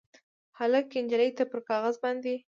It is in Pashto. هلک نجلۍ ته پر کاغذ باندې